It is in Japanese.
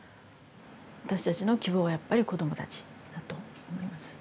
私たちの希望はやっぱり子どもたちだと思います。